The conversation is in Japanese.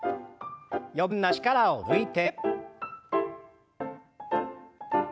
余分な力を抜いて。